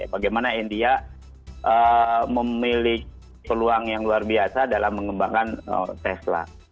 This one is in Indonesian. bagaimana india memiliki peluang yang luar biasa dalam mengembangkan tesla